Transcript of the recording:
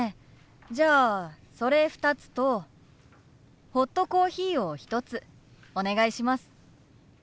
じゃあそれ２つとホットコーヒーを１つお願いします。